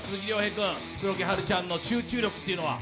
君、黒木華ちゃんの集中力というのは？